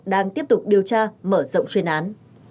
đang tiếp tục điều tra mở rộng xuyên án